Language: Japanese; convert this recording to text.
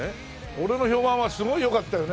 俺の評判はすごい良かったよね？